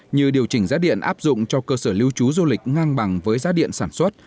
như điều chỉnh giá điện áp dụng cho cơ sở lưu trú du lịch ngang bằng với giá điện sản xuất